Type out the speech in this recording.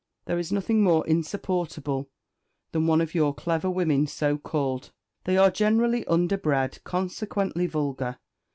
_ "There is nothing more insupportable than one of your clever women, so called. They are generally under bred, consequently vulgar.